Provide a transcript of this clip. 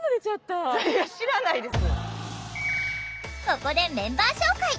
ここでメンバー紹介！